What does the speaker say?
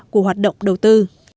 của hoạt động đầu tư